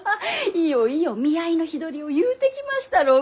いよいよ見合いの日取りを言うてきましたろうか。